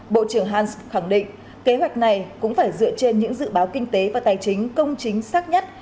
bộ trưởng hans khẳng định kế hoạch này cũng phải dựa trên những dự báo kinh tế và tài chính công chính xác nhất